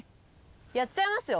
やっちゃいますよ。